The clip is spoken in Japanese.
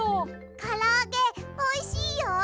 からあげおいしいよ。